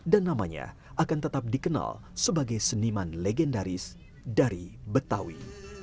dan namanya akan tetap dikenal sebagai seniman legendaris dari betawi